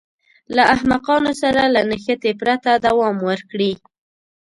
له احمقانو سره له نښتې پرته دوام ورکړي.